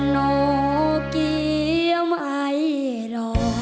โน่เกียมไอล่อ